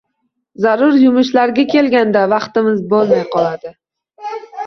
Zarur yumushlarga kelganda “vaqtimiz bo‘lmay” qoladi.